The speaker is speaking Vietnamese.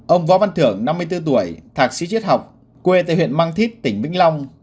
ông võ văn thưởng năm mươi bốn tuổi thạc sĩ chiết học quê tại huyện mang thít tỉnh vĩnh long